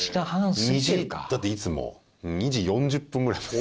２時だっていつも２時４０分ぐらいまで。